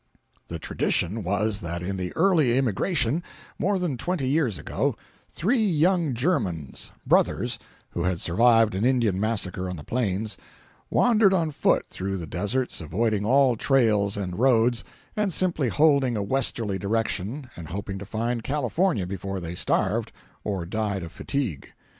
The tradition was that in the early immigration, more than twenty years ago, three young Germans, brothers, who had survived an Indian massacre on the Plains, wandered on foot through the deserts, avoiding all trails and roads, and simply holding a westerly direction and hoping to find California before they starved, or died of fatigue.